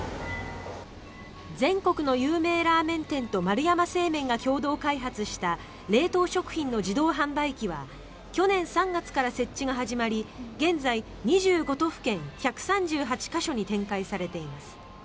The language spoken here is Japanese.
全国の有名ラーメン店と丸山製麺が共同開発した冷凍食品の自動販売機は去年３月から設置が始まり現在、２５都道府県３８か所に展開されています。